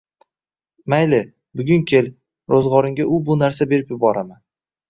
Mayli, bugun kel, ro`zg`oringga u-bu narsa berib yuboraman